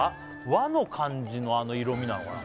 和の感じの色味なのかな？